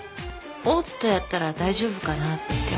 大津とやったら大丈夫かなって思って。